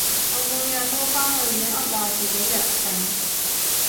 我每日都返去亂噏話自己陽性